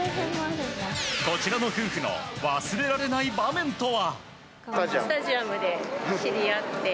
こちらの夫婦の忘れられない場面とは。